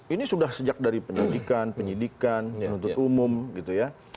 ini sudah sejak dari penyidikan penyidikan penuntut umum gitu ya